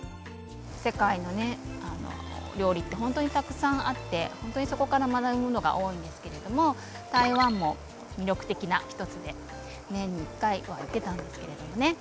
世界のねあの料理って本当にたくさんあって本当にそこから学ぶものが多いんですけれども台湾も魅力的な一つで年に１回は行ってたんですけれどもね。